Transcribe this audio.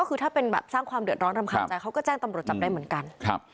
ก็คือถ้าเป็นแบบสร้างความเดือดร้อนรำคาญใจเขาก็แจ้งตำรวจจับได้เหมือนกันครับ